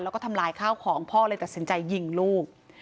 แล้วก็ทำลายข้าวของพ่อเลยตัดสินใจยิงลูก